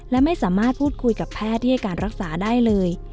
และไม่สามารถพูดคุยกับแพทย์ที่ให้การรักษาได้เลย